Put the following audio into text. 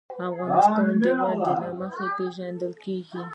افغانستان د وادي له مخې پېژندل کېږي.